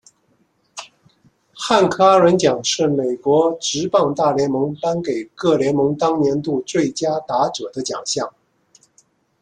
汉克阿伦奖是美国职棒大联盟颁给各联盟当年度最佳打者的奖项。